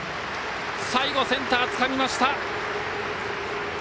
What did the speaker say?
最後、センターつかみました。